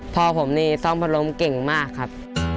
พ่อผมนี่ซ่อมพัดลมเก่งมากครับ